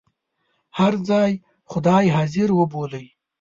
هر ځای خدای حاضر وبولئ.